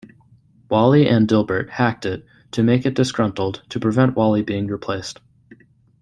Wally and Dilbert hacked it to make it disgruntled to prevent Wally being replaced.